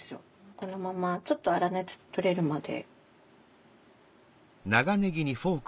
このままちょっと粗熱取れるまで。